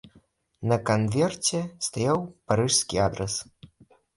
На канверце стаяў парыжскі адрас.